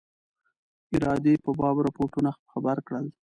ارادې په باب رپوټونو خبر کړل.